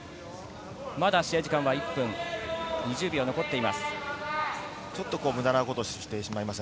まだ試合時間は１分２０秒残っています。